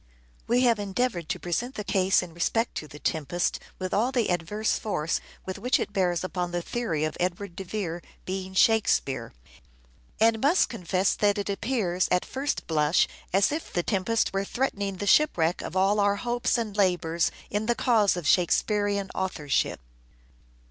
We have endeavoured to present the case in respect to " The Tempest " with all the adverse force with which it bears upon the theory of Edward de Vere being " Shakespeare "; and must confess that it appears, at first blush, as if " The Tempest " were threatening the shipwreck of all our hopes and labours in the cause of Shakespearean authorship.